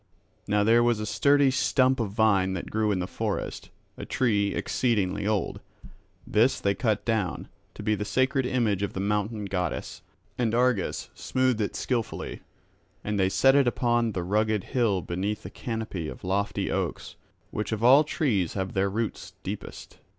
Now there was a sturdy stump of vine that grew in the forest, a tree exceeding old; this they cut down, to be the sacred image of the mountain goddess; and Argus smoothed it skilfully, and they set it upon that rugged hill beneath a canopy of lofty oaks, which of all trees have their roots deepest.